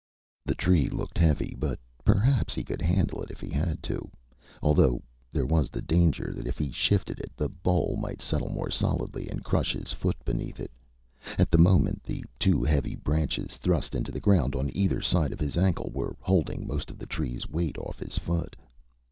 The tree looked heavy, but perhaps he could handle it if he had to, although there was the danger that if he shifted it, the bole might settle more solidly and crush his foot beneath it. At the moment, the two heavy branches, thrust into the ground on either side of his ankle, were holding most of the tree's weight off his foot.